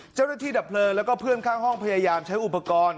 ดับเพลิงแล้วก็เพื่อนข้างห้องพยายามใช้อุปกรณ์